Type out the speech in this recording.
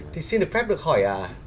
thì xin được phép được hỏi